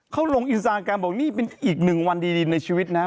เขาลงอินสตาแกรมบอกนี่เป็นอีกหนึ่งวันดีในชีวิตนะครับ